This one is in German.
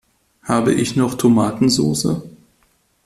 Habe ich noch Tomatensoße?